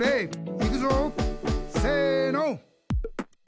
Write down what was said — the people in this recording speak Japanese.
いくぞせの！